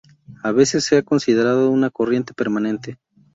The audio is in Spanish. A veces se ha considerado una corriente permanente.